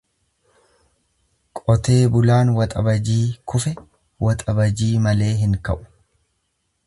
Qotee bulaan waxabajii kufe waxabajii malee hin ka'u.